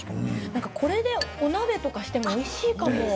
これでお鍋とかしてもおいしいかも。